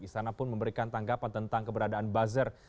istana pun memberikan tanggapan tentang keberadaan buzzer